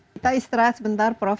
kita istirahat sebentar prof